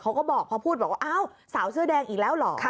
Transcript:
เขาก็บอกพอพูดบอกว่าอ้าวสาวเสื้อแดงอีกแล้วเหรอ